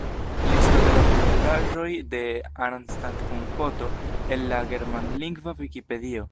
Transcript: Listo de la vidindaĵoj de Arnstadt kun foto, el la germanlingva Vikipedio.